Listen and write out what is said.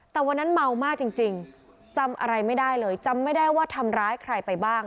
แต่วันนั้นเมามากจริงจำอะไรไม่ได้เลยจำไม่ได้ว่าทำร้ายใครไปบ้าง